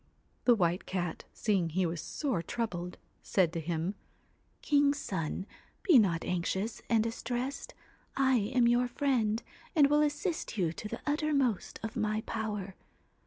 ' The White Cat, seeing he was sore troubled, said to him ' King's son, be not anxious and distressed. I am your friend, and will assist you to the uttermost of my power.